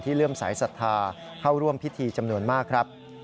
เลื่อมสายศรัทธาเข้าร่วมพิธีจำนวนมากครับ